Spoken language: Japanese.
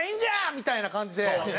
みたいな感じで。